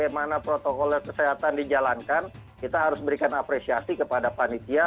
ya kalau kita lihat sejauh ini bagaimana protokol kesehatan dijalankan kita harus berikan apresiasi kepada panitia